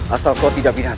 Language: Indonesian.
asal kau tidak binatang